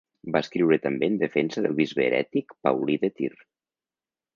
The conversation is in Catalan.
Va escriure també en defensa del bisbe herètic Paulí de Tir.